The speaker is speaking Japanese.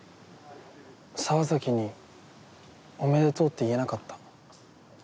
沢崎に「おめでとう」って言えなかった。